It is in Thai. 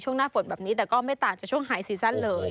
หน้าฝนแบบนี้แต่ก็ไม่ต่างจากช่วงหายซีซั่นเลย